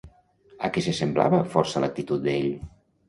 A què se semblava força l'actitud d'ell?